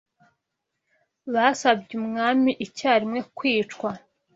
Basabye umwami icyarimwe kwicwa.